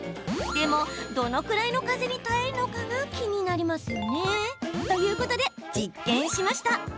でも、どのくらいの風に耐えるのかが気になるということで、実験しました。